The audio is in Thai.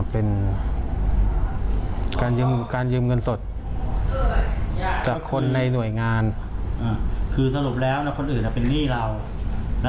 เป็นคนในหน่วยงานครับ